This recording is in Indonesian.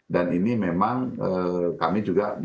dan ini memang kami juga